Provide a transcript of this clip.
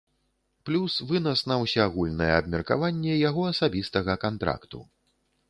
Плюс вынас на ўсеагульнае абмеркаванне яго асабістага кантракту.